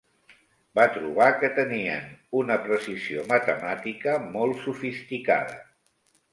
Va trobar que tenien una precisió matemàtica molt sofisticada.